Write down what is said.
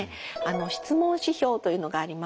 質問指標というのがあります。